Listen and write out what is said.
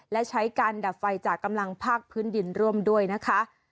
และใช้การดับไฟจากกำลังภาคพื้นดินร่วมด้วยนะคะ